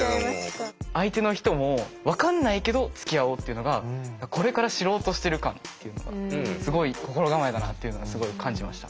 相手の人も「分かんないけどつきあおう」っていうのがこれから知ろうとしてる感っていうのがすごい心構えだなっていうのがすごい感じました。